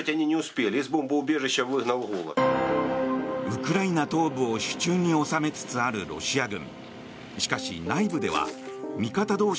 ウクライナ東部を手中に収めつつあるロシア軍。